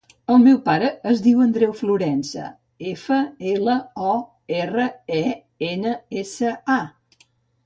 El meu pare es diu Andreu Florensa: efa, ela, o, erra, e, ena, essa, a.